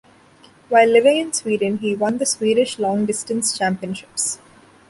While living in Sweden he won the Swedish long distance championships.